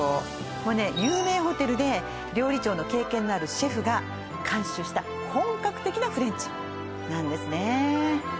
もうね有名ホテルで料理長の経験のあるシェフが監修した本格的なフレンチなんですね